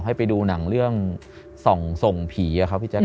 ให้ไปดูหนังเรื่องส่องผีครับพี่แจ๊